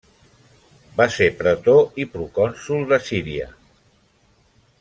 Va ser pretor i procònsol de Síria.